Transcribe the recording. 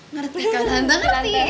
ngerti kan anda ngerti